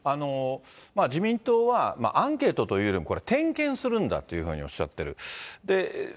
自民党はアンケートというよりも、これ、点検するんだというふうにおっしゃってる。